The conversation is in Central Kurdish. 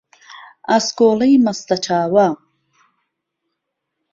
ئاسکۆڵهی مهسته چاوه